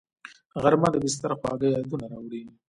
غرمه د بستر خواږه یادونه راوړي